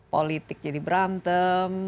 politik jadi berantem